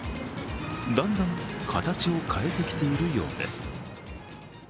だんだん形を変えてきているようです。